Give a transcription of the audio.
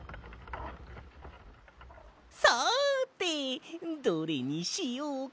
さてどれにしようかな。